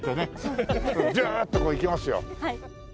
ズーッとこういきますよ。